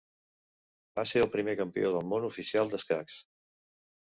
Va ser el primer campió del món oficial d'escacs.